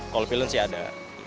kalau pilihan sih ada